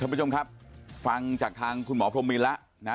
ผู้ชมครับฟังจากทางคุณหมอพรมมินแล้วนะ